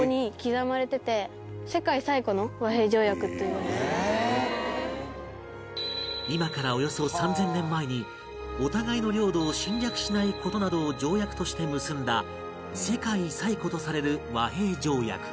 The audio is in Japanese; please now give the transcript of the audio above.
これは今からおよそ３０００年前にお互いの領土を侵略しない事などを条約として結んだ世界最古とされる和平条約